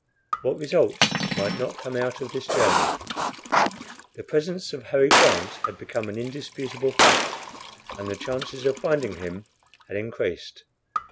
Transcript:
What results might not come out of this journey. The presence of Harry Grant had become an indisputable fact, and the chances of finding him had increased.